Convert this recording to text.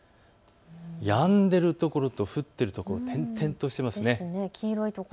やんでるところと降っている所、点々としてますね。